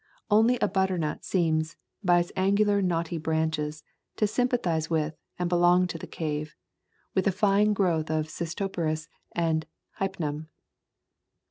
Only a butternut seems, by its angular knotty branches, to sympathize with and belong to the cave, with a fine growth of Cystopteris and Hypnum.